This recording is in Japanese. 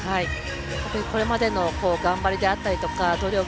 これまでの頑張りであったりとか努力